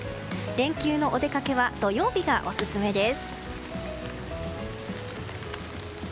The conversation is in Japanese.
連休のお出かけは土曜日がオススメです。